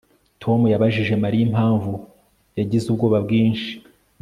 Tom yabajije Mariya impamvu yagize ubwoba bwinshi